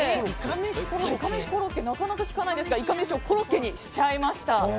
いかめしコロッケなかなか聞かないですがいかめしをコロッケにしちゃいました。